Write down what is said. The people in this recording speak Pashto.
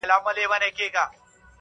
د خدای کار وو هلکان دواړه لویان سوه،